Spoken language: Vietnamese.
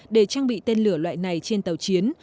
để trang bị tên lửa loại này trên tàu chiến